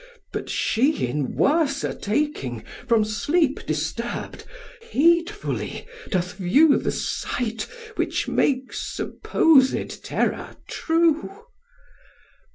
but she, in worser taking, From sleep disturbed, heedfully doth view The sight which makes supposed terror true.